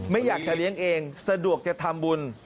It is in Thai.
ไม่อยากจะเลี้ยงเองสะดวกจะทำบุญ